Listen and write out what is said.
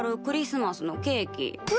クリスマスのケーキ。